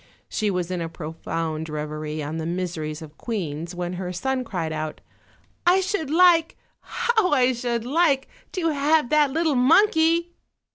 She was in a profound reverie on the miseries of queens, when her son cried out: "I should like, how I should like, to have that little mon key!"